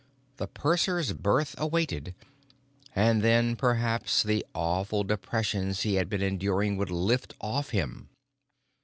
The purser's berth awaited. And then, perhaps, the awful depressions he had been enduring would lift off him.